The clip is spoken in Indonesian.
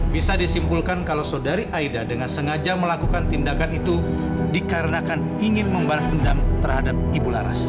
bisa disimpulkan kalau saudari aida dengan sengaja melakukan tindakan itu dikarenakan ingin membalas dendam terhadap ibu laras